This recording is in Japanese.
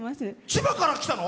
千葉から来たの？